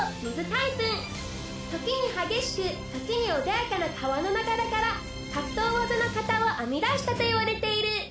ときに激しくときに穏やかな川の流れから格闘技の型を編み出したといわれている。